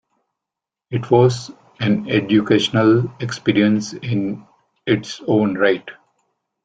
It was an educational experience in its own right.